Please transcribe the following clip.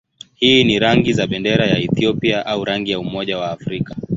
Hizi ni rangi za bendera ya Ethiopia au rangi za Umoja wa Afrika.